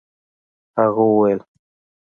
هغه وويل.